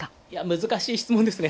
難しい質問ですね。